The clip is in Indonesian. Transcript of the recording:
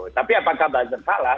tapi apakah buzzer salah